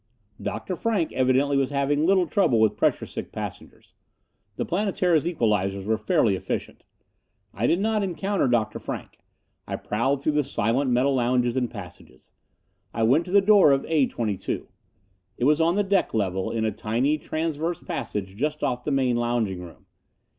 Dr. Frank evidently was having little trouble with pressure sick passengers the Planetara's equalizers were fairly efficient. I did not encounter Dr. Frank. I prowled through the silent metal lounges and passages. I went to the door of A 22. It was on the deck level, in a tiny transverse passage just off the main lounging room.